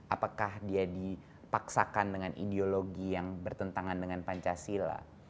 apakah dia dipaksakan dengan ideologi yang bertentangan dengan pancasila